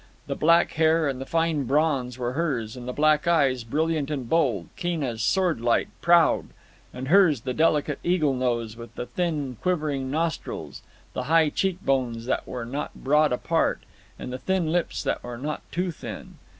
The black hair and the fine bronze were hers, and the black eyes, brilliant and bold, keen as sword light, proud; and hers the delicate eagle nose with the thin, quivering nostrils, the high cheek bones that were not broad apart, and the thin lips that were not too thin.